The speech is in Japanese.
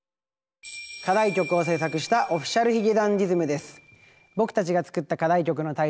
課題曲を制作したＯｆｆｉｃｉａｌ髭男ｄｉｓｍです。